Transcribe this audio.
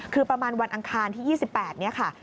คือประมาณวันอังคารที่๒๘เนี่ยค่ะ